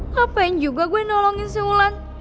hah apa yang juga gue nolongin si wulan